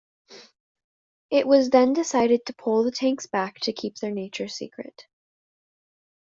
It was then decided to pull the tanks back to keep their nature secret.